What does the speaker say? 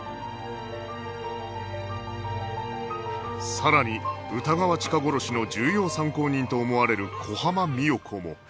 さらに歌川チカ殺しの重要参考人と思われる小浜三代子も